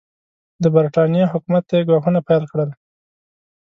د برټانیې حکومت ته یې ګواښونه پیل کړل.